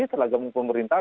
setelah gabung pemerintah